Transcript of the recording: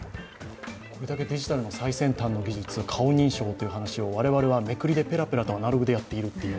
これだけデジタルの顔認証の技術、顔認証を我々はめくりでぺらぺらとアナログでやっているという。